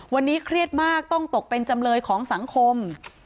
วันนี้เครียดมากต้องตกเป็นจำเลยของสังคม